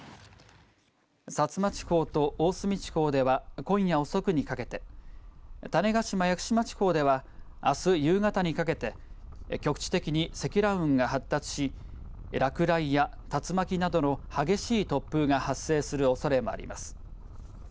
薩摩地方と大隅地方では今夜遅くにかけて種子島・屋久島地方ではあす夕方にかけて局地的に積乱雲が発達し落雷や竜巻などの激しい突風が発生するおそれもあります。